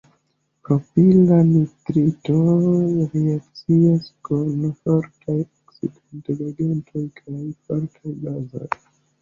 Propila nitrito reakcias kun fortaj oksidigagentoj kaj fortaj bazoj.